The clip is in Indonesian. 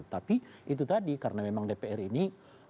tapi itu tadi karena memang dpr ini